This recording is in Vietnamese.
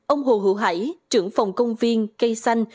ông hồ hữu hải trưởng phòng công viên cây xanh